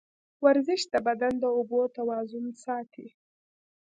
ورزش د بدن د اوبو توازن ساتي.